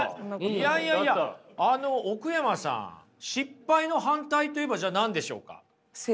いやいやいや奥山さん失敗の反対といえばじゃあ何でしょうか？